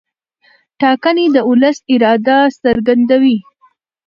ټاکنې د ولس اراده څرګندوي